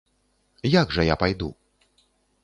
Як жа я пайду?